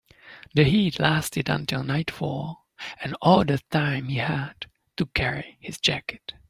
The heat lasted until nightfall, and all that time he had to carry his jacket.